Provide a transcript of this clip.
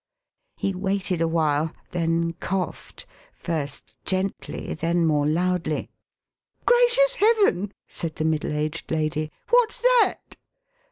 He waited a while, then coughed, first gently, then more loudly. "Gracious Heaven!" said the middle aged lady. "What's that?"